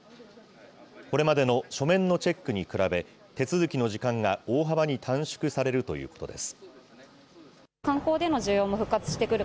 これまでの書面のチェックに比べ、手続きの時間が大幅に短縮されるということです。